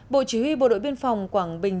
bộ chỉ huy bộ đội biên phòng quảng bình